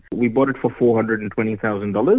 kami membelinya untuk empat ratus dua puluh ribu dolar